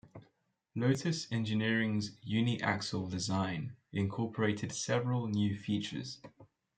Lotus Engineering's 'uni-axle' design incorporated several new features.